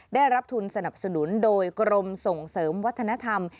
ได้รับทุนสนับสนุนโดยกรมส่งเสริมวัฒนธรรม